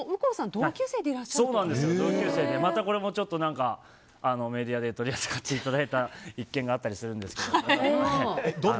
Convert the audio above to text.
これもメディアで取り扱っていただいた一件があったりするんですけど。